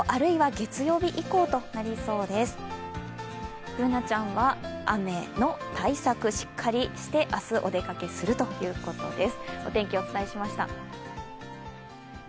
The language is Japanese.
Ｂｏｏｎａちゃんは雨の対策しっかりして明日、お出かけするということです。